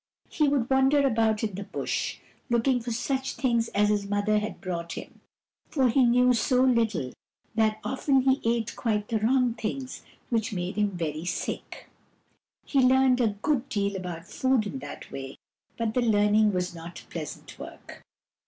He would wander about in the Bush, looking for such things as his mother had brought him, but he knew so little that often he ate quite the wrong things, which made him very sick. He learned a good deal about food in that way, but the learning was not pleasant work.